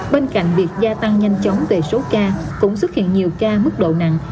bên cạnh việc gia tăng nhanh chóng về số ca cũng xuất hiện nhiều ca mức độ nặng